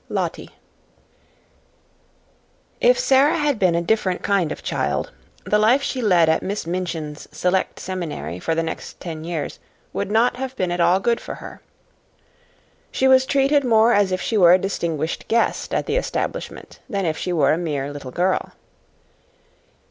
4 Lottie If Sara had been a different kind of child, the life she led at Miss Minchin's Select Seminary for the next few years would not have been at all good for her. She was treated more as if she were a distinguished guest at the establishment than as if she were a mere little girl.